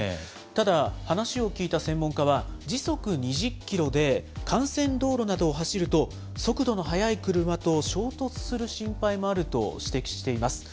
ただ、話を聞いた専門家は、時速２０キロで幹線道路などを走ると、速度の速い車と衝突する心配もあると指摘しています。